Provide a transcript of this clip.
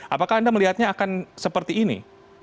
apakah anda melihatnya akan seperti ini